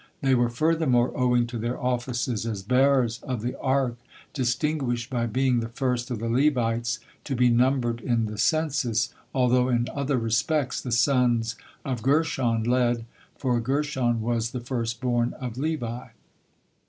They were, furthermore, owing to their offices as bearers of the Ark, distinguished by being the first of the Levites to be numbered in the census, although in other respects the sons of Gershon led, for Gershon was the first born of Levi.